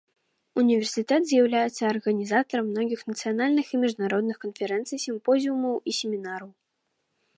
Універсітэт з'яўляецца арганізатарам многіх нацыянальных і міжнародных канферэнцый, сімпозіумаў і семінараў.